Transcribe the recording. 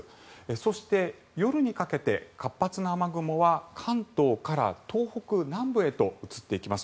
そして、夜にかけて活発な雨雲は関東から東北南部へと移っていきます。